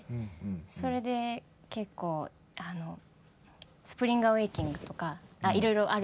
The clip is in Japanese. それで結構「スプリンガーウエイティング」とかいろいろあるんですけど。